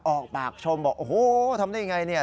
ออกปากชมบอกโอ้โหทำได้ยังไงเนี่ย